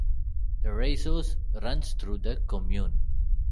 The Reyssouze runs through the commune.